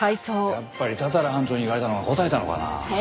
やっぱり多々良班長に言われたのがこたえたのかな？